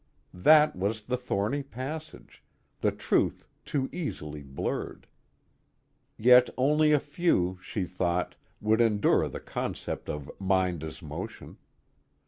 That was the thorny passage, the truth too easily blurred. Yet only a few, she thought, could endure the concept of mind as motion.